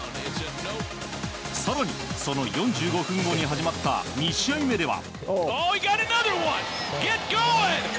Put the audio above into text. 更にその４５分後に始まった２試合目では。